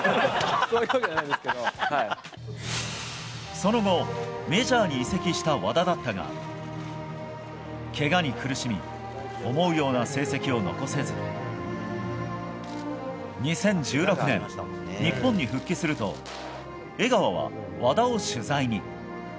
その後メジャーに移籍した和田だったがけがに苦しみ思うような成績を残せず２０１６年、日本に復帰すると江川は和田を取材に。